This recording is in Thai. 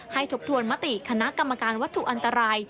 ทบทวนมติคณะกรรมการวัตถุอันตราย